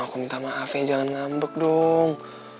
aku minta maaf ya jangan ngambek dong